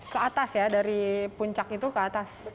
ke atas ya dari puncak itu ke atas